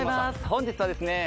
本日はですね